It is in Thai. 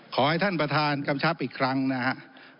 ขอให้ท่านประธานกำชับอีกครั้งนะครับ